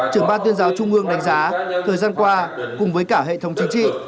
trưởng ban tuyên giáo trung ương đánh giá thời gian qua cùng với cả hệ thống chính trị